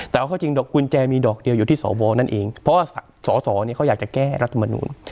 แต่เอาเข้าจริงดอกกุญแจมีดอกเดียวอยู่ที่สวนั่นเองเพราะว่าสอสอเนี่ยเขาอยากจะแก้รัฐมนูล